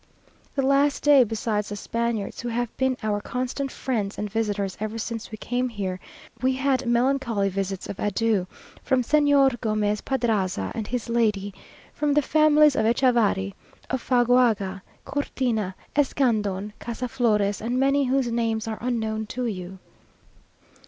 The last day, besides the Spaniards who have been our constant friends and visitors ever since we came here, we had melancholy visits of adieu from Señor Gomez Padraza and his lady, from the families of Echavarri, of Fagoaga, Cortina, Escandon, Casaflores, and many whose names are unknown to you.